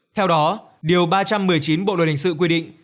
theo đó điều ba trăm một mươi chín bộ luật hình sự quy định